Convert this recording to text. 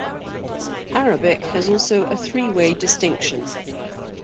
Arabic has also a three-way distinction.